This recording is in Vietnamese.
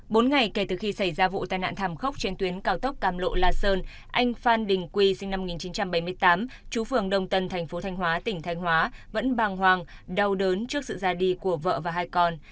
bốn ngày kể từ khi xảy ra vụ tai nạn thảm khốc trên tuyến cao tốc cam lộ la sơn anh phan đình quy sinh năm một nghìn chín trăm bảy mươi tám chú phường đồng tân thành phố thanh hóa tỉnh thanh hóa vẫn bàng hoàng đau đớn trước sự ra đi của vợ và hai con